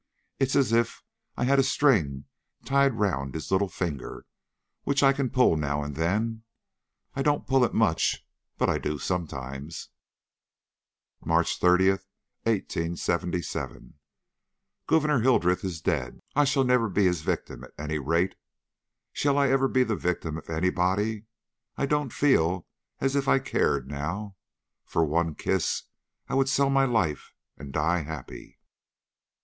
It's as if I had a string tied round his little finger, which I can pull now and then. I don't pull it much; but I do sometimes." "MARCH 30, 1877. Gouverneur Hildreth is dead. I shall never be his victim, at any rate. Shall I ever be the victim of anybody? I don't feel as if I cared now. For one kiss I would sell my life and die happy.